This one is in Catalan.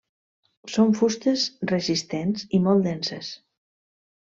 Són fustes resistents i molt denses.